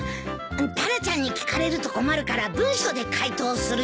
タラちゃんに聞かれると困るから文書で回答するよ。